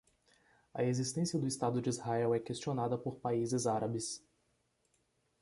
A existência do estado de Israel é questionada por países árabes